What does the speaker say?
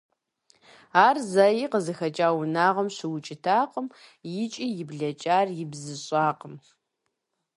Ар зэи къызыхэкӏа унагъуэм щыукӏытакъым икӏи и блэкӏар ибзыщӏакъым.